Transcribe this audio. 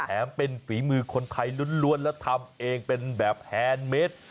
แถมเป็นฝีมือคนไทยล้วนแล้วทำเองเป็นแบบแฮนด์เมด